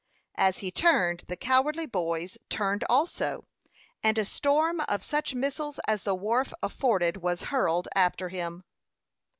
As he turned, the cowardly boys turned also, and a storm of such missiles as the wharf afforded was hurled after him.